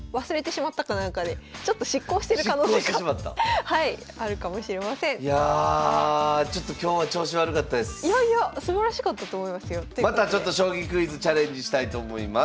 またちょっと「将棋クイズ」チャレンジしたいと思います。